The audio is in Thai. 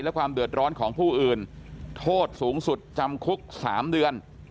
และความเดือดร้อนของผู้อื่นโทษสูงสุดจำคุก๓เดือน